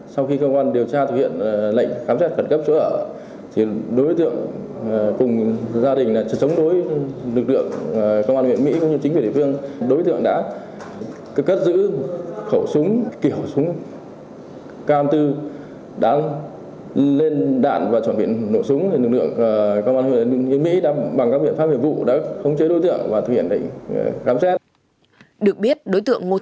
sau khi cơ quan điều tra thực hiện lệnh khám xét khẩn cấp chỗ ở đối tượng cùng gia đình chống đối lực lượng công an huyện mỹ cũng như chính phủ địa phương